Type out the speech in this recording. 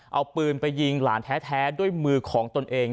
เอาปืนไปยิงหลานแท้ด้วยมือของตนเอง